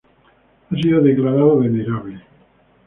Ha sido declarado Venerable.